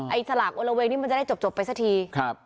ไอ้สลากอลเวงนี้มันจะได้จบไปสักที